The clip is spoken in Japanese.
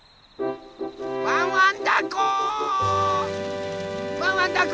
ワンワンだこ！